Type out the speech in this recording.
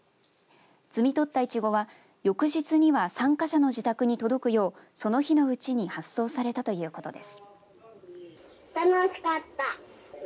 摘み取ったイチゴは、翌日には参加者の自宅に届くようその日のうちに発送されたということです。